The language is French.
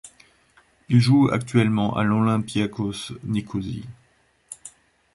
Il joue actuellement à l'Olympiakos Nicosie.